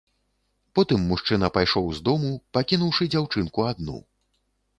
Потым мужчына пайшоў з дому, пакінуўшы дзяўчынку адну.